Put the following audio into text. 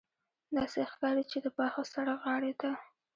داسې ښکاري چې د پاخه سړک غاړې ته.